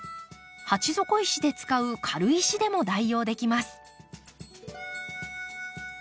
鉢底石で使う軽石でも代用できます。